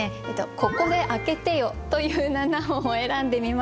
「ここで開けてよ」という七音を選んでみました。